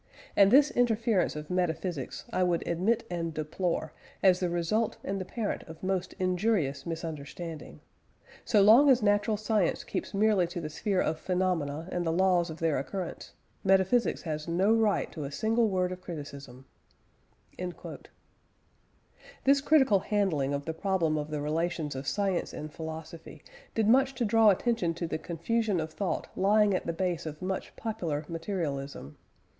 And this interference of metaphysics I would admit and deplore, as the result and the parent of most injurious misunderstanding.... So long as natural science keeps merely to the sphere of phenomena and the laws of their occurrence, metaphysics has no right to a single word of criticism" (p. 285). This critical handling of the problem of the relations of science and philosophy did much to draw attention to the confusion of thought lying at the base of much popular materialism.